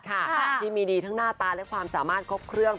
ที่มีดีทั้งหน้าตาและความสามารถครบเครื่อง